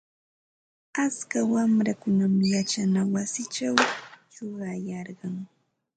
Atska wamrakunam yachana wasichaw chuqayarkan.